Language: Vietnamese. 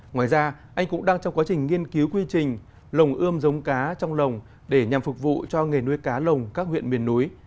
ngoài ra anh cũng đang trong quá trình nghiên cứu quy trình lồng ươm giống cá trong lồng để nhằm phục vụ cho nghề nuôi cá lồng các huyện miền núi